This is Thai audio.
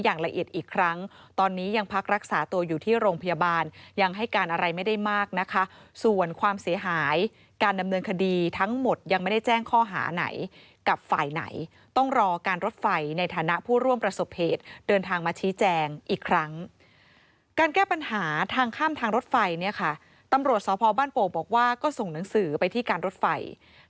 อย่างละเอียดอีกครั้งตอนนี้ยังพักรักษาตัวอยู่ที่โรงพยาบาลยังให้การอะไรไม่ได้มากนะคะส่วนความเสียหายการดำเนินคดีทั้งหมดยังไม่ได้แจ้งข้อหาไหนกับฝ่ายไหนต้องรอการรถไฟในฐานะผู้ร่วมประสบเหตุเดินทางมาชี้แจงอีกครั้งการแก้ปัญหาทางข้ามทางรถไฟเนี่ยค่ะตำรวจสพบ้านโป่งบอกว่าก็ส่งหนังสือไปที่การรถไฟ